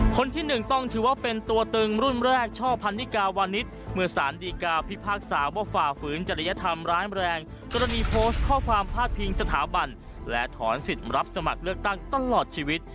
ความพลาดพิงสถาบันและถอนสิทธิ์รับสมัครเลือกตั้งตลอดชีวิต